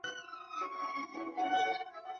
总结环节则由曾荫权先发言。